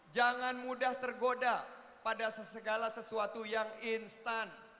jangan mudah tergoda pada segala sesuatu yang instan